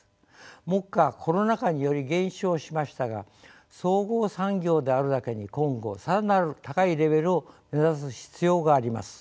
目下コロナ禍により減少しましたが総合産業であるだけに今後更なる高いレベルを目指す必要があります。